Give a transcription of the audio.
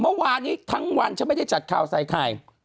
เมื่อวานนี้ทั้งวันฉันไม่ได้จัดข่าวใส่ไข่